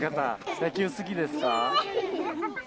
野球好きですか？